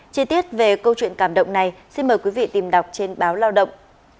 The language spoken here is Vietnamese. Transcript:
chi tiết về câu chuyện cảm động này xin mời quý vị tìm đọc trên báo lao động